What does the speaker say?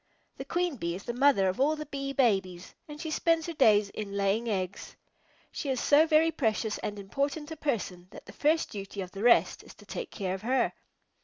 The Queen Bee is the mother of all the Bee Babies, and she spends her days in laying eggs. She is so very precious and important a person that the first duty of the rest is to take care of her.